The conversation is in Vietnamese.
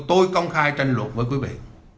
tôi công khai tranh luận với quý vị